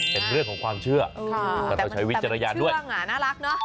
เป็นเรื่องของความเชื่อแต่มันเป็นเชื่องอ่ะน่ารักเนอะ